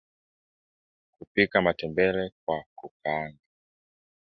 Kupika matembele kwa kukaanga